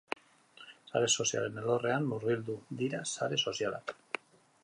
Sare sozialen alorrean murgildu dira sare sozialak.